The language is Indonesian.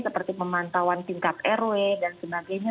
seperti pemantauan tingkat rw dan sebagainya